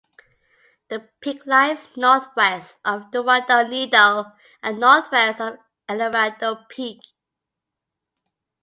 The peak lies northwest of Dorado Needle and northwest of Eldorado Peak.